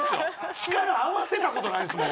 力合わせた事ないですもん